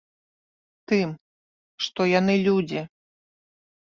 Тым, што яны людзі.